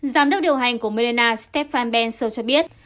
giám đốc điều hành của moderna stefan bensel cho biết